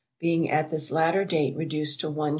being at this latter date reduced to 1s.